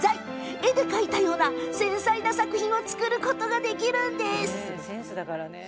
絵で描いたような繊細な作品を作ることができるんです。